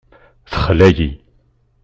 Texla-yi.